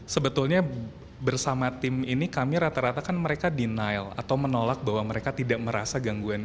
sebetulnya bersama tim ini kami rata rata kan mereka denial atau menolak bahwa mereka tidak merasa gangguan